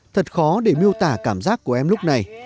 thật khó để miêu tả cảm giác của em lúc này